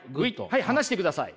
はい。